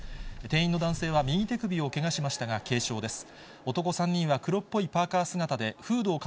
店員の男性は右手首をけがしましたが、軽傷です。